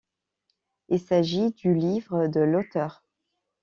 Il s'agit du livre de l'auteure.